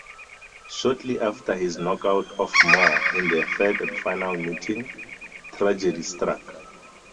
Shortly after his knock-out of Moore in their third and final meeting, tragedy struck.